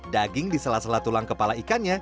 daging di salah salah tulang kepala ikannya